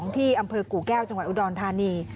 ที่อำเภอกู่แก้วจังหวัดอุดรธานี